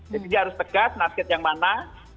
jadi harus tegas narket yang mana